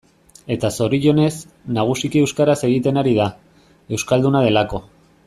Eta zorionez, nagusiki euskaraz egiten ari da, euskalduna delako.